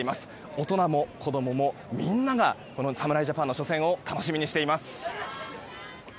大人も子供もみんなが侍ジャパンの初戦を楽しみにしています。